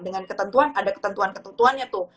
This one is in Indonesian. dengan ketentuan ada ketentuan ketentuannya tuh